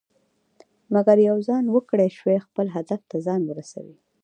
مګر یو ځوان وکړى شوى خپل هدف ته ځان ورسوي.